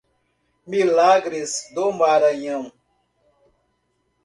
Milagres do Maranhão